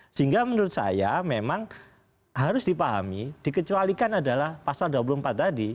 sehingga menurut saya memang harus dipahami dikecualikan adalah pasal dua puluh empat tadi